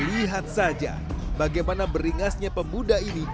lihat saja bagaimana beringasnya pemuda ini